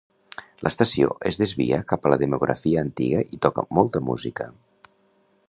L"estació es desvia cap a la demografia antiga i toca molta música.